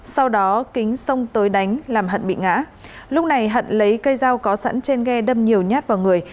sau đó kính xông tới đánh làm hận bị ngã lúc này hận lấy cây dao có sẵn trên ghe đâm nhiều nhát vào người